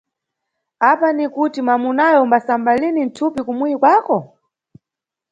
Apa ni kuti mwamunawe umbasamba lini mthupi kumuyi kwako?